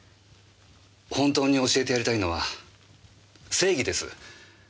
本当に教えてやりたいのは正義です。